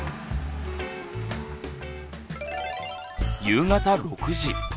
夕方６時。